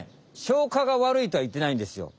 消化がわるいとはいってないんですよ。